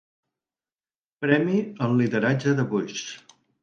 Premi al lideratge de Bush.